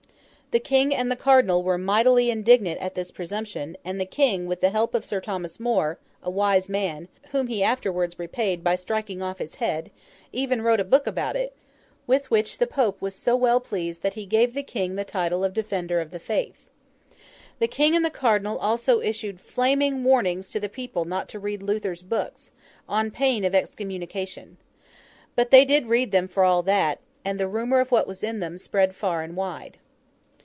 The King and the Cardinal were mightily indignant at this presumption; and the King (with the help of Sir Thomas More, a wise man, whom he afterwards repaid by striking off his head) even wrote a book about it, with which the Pope was so well pleased that he gave the King the title of Defender of the Faith. The King and the Cardinal also issued flaming warnings to the people not to read Luther's books, on pain of excommunication. But they did read them for all that; and the rumour of what was in them spread far and wide.